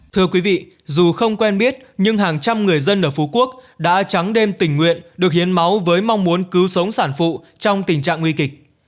thưa quý vị dù không quen biết nhưng hàng trăm người dân ở phú quốc đã trắng đêm tình nguyện được hiến máu với mong muốn cứu sống sản phụ trong tình trạng nguy kịch